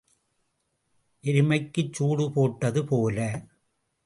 எருமைக்குச் சூடு போட்டது போல.